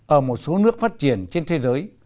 ở một số nước phát triển trên thế giới